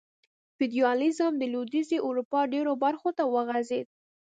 فیوډالېزم د لوېدیځې اروپا ډېرو برخو ته وغځېد.